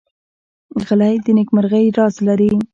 غلی، د نېکمرغۍ راز لري.